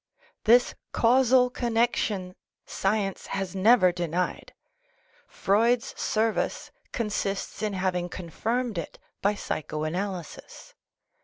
This causal connection science has never denied; Freud's service con sists in having confirmed it by psycho analysis.